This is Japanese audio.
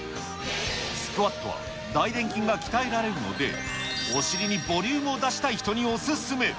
スクワットは大臀筋が鍛えられるので、お尻にボリュームを出したい人にお勧め。